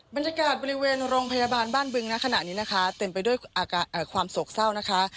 บรรยากาศบริเวณโรงพยาบาลบ้านบึงนะขณะนี้นะคะเต็มไปด้วยความโศกเศร้านะคะ